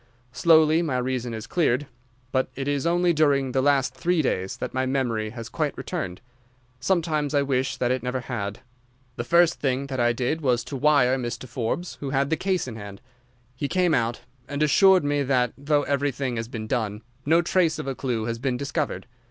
Slowly my reason has cleared, but it is only during the last three days that my memory has quite returned. Sometimes I wish that it never had. The first thing that I did was to wire to Mr. Forbes, who had the case in hand. He came out, and assures me that, though everything has been done, no trace of a clue has been discovered.